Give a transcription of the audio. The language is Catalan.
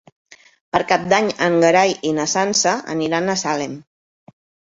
Per Cap d'Any en Gerai i na Sança aniran a Salem.